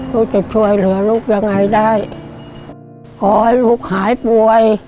ลูกจะช่วยเหลือลูกยังไงได้ขอให้ลูกหายป่วย